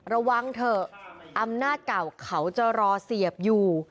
ระวังเถอะอำนาจเก่าเขาจะรอเสียบอยู่